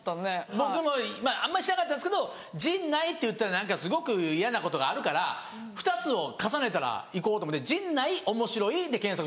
僕もあんまりしなかったんですけど「陣内」って打ったら何かすごく嫌なことがあるから２つを重ねたら行こうと思うって「陣内おもしろい」で検索したんですよ。